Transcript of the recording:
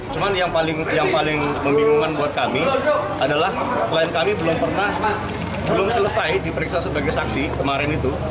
cuman yang paling membingungkan buat kami adalah klien kami belum pernah belum selesai diperiksa sebagai saksi kemarin itu